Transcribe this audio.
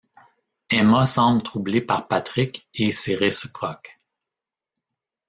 Emma semble troublée par Patrick et c'est réciproque.